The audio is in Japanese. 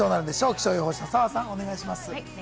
気象予報士の澤さん、お願いします。